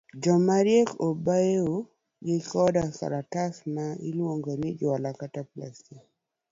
Jomariek obawo gi koda otas ma iluongo ni juala kata plastik.